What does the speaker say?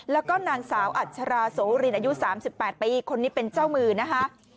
แล้วก็นางสาวอัชราโสรินอายุ๓๘ปีคนนี้เป็นเจ้ามือนะคะ